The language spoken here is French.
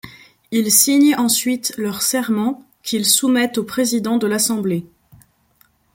Ils signent ensuite leur serment, qu'ils soumettent au président de l'Assemblée.